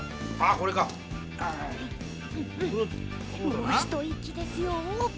もう一いきですよ。